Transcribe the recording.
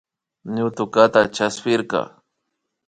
Ñutukata chaspirka